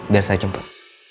biar saya jemput